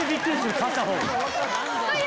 勝ったほう。